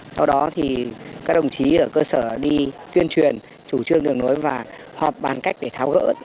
sau đó thì các đồng chí ở cơ sở đi tuyên truyền chủ trương đường nối và họp bàn cách để tháo gỡ